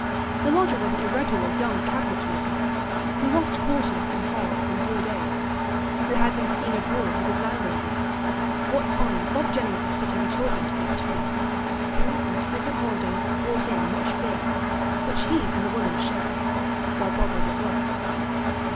The lodger was an irregular young cabinet maker, who lost quarters and halves and whole days; who had been seen abroad with his landlady, what time Bob Jennings was putting the children to bed at home; who on his frequent holidays brought in much beer, which he and the woman shared, while Bob was at work.